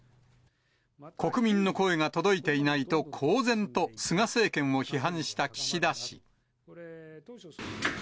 国民の声が届いていないと、公然と菅政権を批判した岸田氏。